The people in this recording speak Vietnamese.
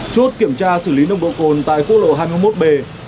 chốt kiểm tra xử lý nông độ cồn tại khu lộ hai mươi một b